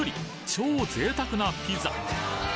超贅沢なピザ！